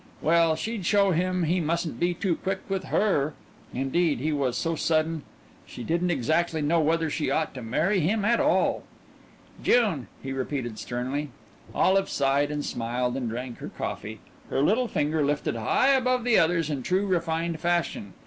Well, she'd show him he mustn't be too quick with her. Indeed he was so sudden she didn't exactly know whether she ought to marry him at all. "June," he repeated sternly. Olive sighed and smiled and drank her coffee, her little finger lifted high above the others in true refined fashion.